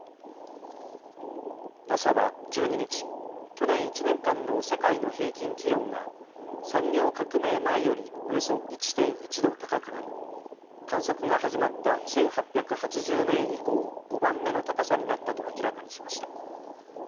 ＮＡＳＡは１２日去年１年間の世界の平均気温が産業革命前よりおよそ１．１度高くなり観測が始まった１８８０年以降５番目に高さになったと明らかにしました。